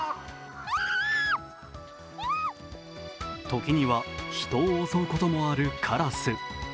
時には人を襲うこともあるカラス。